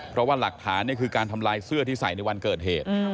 เพราะว่าหลักฐานนี่คือการทำลายเสื้อที่ใส่ในวันเกิดเหตุ